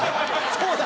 そうだ。